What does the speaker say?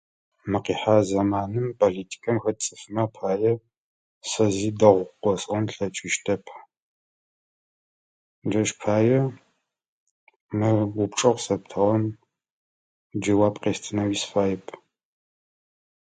Мы къихьагъэ зэманым политикэм хэт цӏыфмэ апае сэ зы дэгъу къэсӏон слъэкӏыщтэп. Джащ пае мы упчӏэ къысэптыгъэм джэуап къэсынэгъуи сыфаеп.